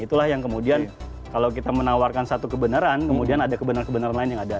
itulah yang kemudian kalau kita menawarkan satu kebenaran kemudian ada kebenaran kebenaran lain yang ada